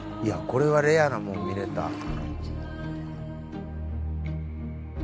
いやこれはレアなもん見られた。